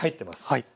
はい。